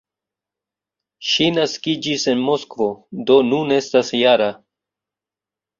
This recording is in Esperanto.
Ŝi naskiĝis en Moskvo, do nun estas -jara.